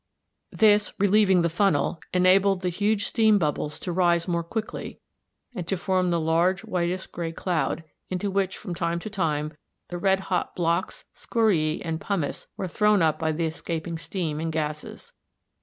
This, relieving the funnel, enabled the huge steam bubbles d, d to rise more quickly, and to form the large whitish grey cloud c, into which from time to time the red hot blocks, scoriæ, and pumice were thrown up by the escaping steam and gases.